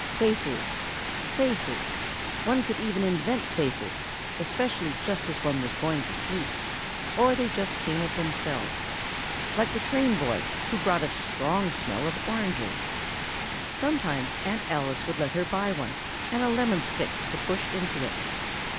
Faces ... faces—one could even invent faces, especially just as one was going to sleep ... or they just came of themselves ... like the train boy, who brought a strong smell of oranges. Sometimes Aunt Alice would let her buy one, and a lemon stick to push into it.